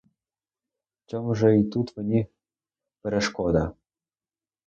Чом же й тут мені перешкода?